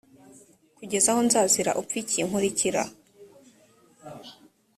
kugeza aho nzazira upfa iki nkurikira